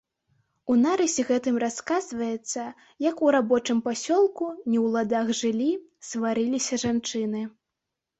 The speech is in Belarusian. У нарысе гэтым расказваецца, як у рабочым пасёлку не ў ладах жылі, сварыліся жанчыны.